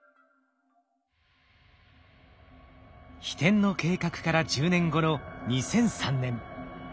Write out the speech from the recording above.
ひてんの計画から１０年後の２００３年。